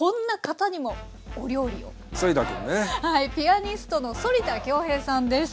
はいピアニストの反田恭平さんです。